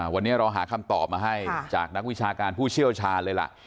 วันนี้เราหาคำตอบมาให้จากนักวิชาการผู้เชี่ยวชาญเลยล่ะ